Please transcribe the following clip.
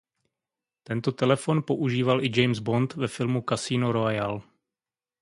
Tento telefon používal i James Bond ve filmu Casino Royale.